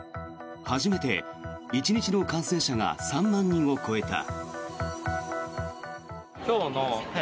初めて１日の感染者が３万人を超えた。